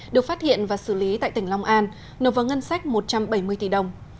được phát hiện và xử lý tại tỉnh long an nộp vào ngân sách một trăm bảy mươi tỷ đồng